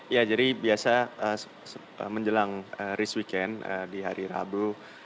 ya jadi biasa menjelang risk weekend di hari rabu